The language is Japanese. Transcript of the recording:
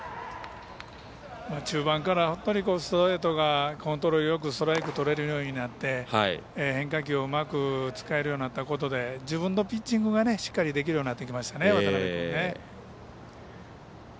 中盤からストレートがコントロールよくストライクとれるようになって変化球をうまく使えるようになったことで自分のピッチングがしっかりできるようになってきましたね渡邊君ね。